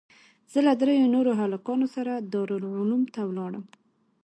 زه له درېو نورو هلکانو سره دارالعلوم ته ولاړم.